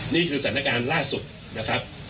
นี่คือสถานการณ์ล่าสุดนะครับ